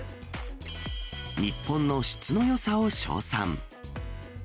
日本の質のよさを称賛。